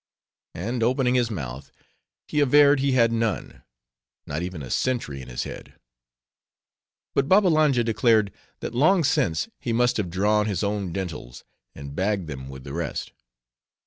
And opening his mouth, he averred he had none; not even a sentry in his head. But Babbalanja declared, that long since he must have drawn his own dentals, and bagged them with the rest.